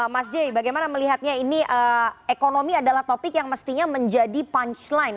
mas j bagaimana melihatnya ini ekonomi adalah topik yang mestinya menjadi punchline